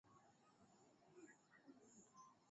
Tumekataa kudhalilishwa kabisa